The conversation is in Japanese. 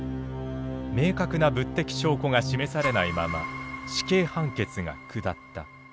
明確な物的証拠が示されないまま死刑判決が下った。